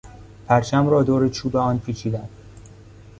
پرچم را دور چوب آن پیچیدم.